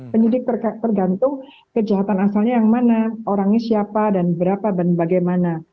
penyidik tergantung kejahatan asalnya yang mana orangnya siapa dan berapa dan bagaimana